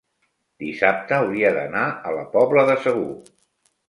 dissabte hauria d'anar a la Pobla de Segur.